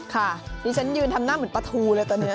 ดิฉันยืนทำหน้าเหมือนปลาทูเลยตอนนี้